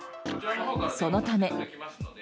そのため。